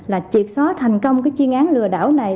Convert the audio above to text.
là triệt xóa thành công cái chuyên án lừa đảo này